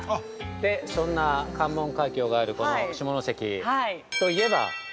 そんな関門海峡があるこの下関といえば◆